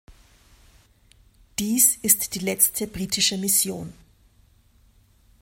Dies ist die letzte britische Mission.